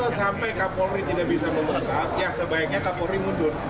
kalau sampai kapolri tidak bisa memekat ya sebaiknya kapolri mundur